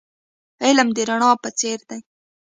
علم د رڼا په څیر دی .